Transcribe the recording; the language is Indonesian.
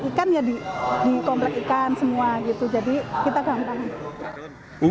ikannya di komplek ikan semua gitu jadi kita gampang